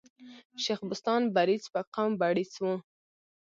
شېخ بستان برېڅ په قوم بړېڅ ؤ.